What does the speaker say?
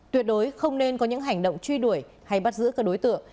tuyệt đối không nên có những hành động truy đuổi hay bắt giữ các đối tượng